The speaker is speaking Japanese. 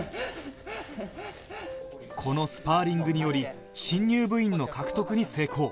このスパーリングにより新入部員の獲得に成功